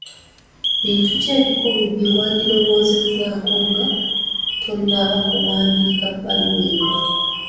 Bintu ki ebikulu bye wandirowoozezzaako nga tonnaba kuwandiika bbaluwa eyo?